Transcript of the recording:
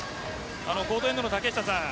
コートエンドの竹下さん